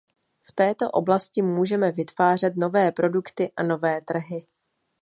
V této oblasti můžeme vytvářet nové produkty a nové trhy.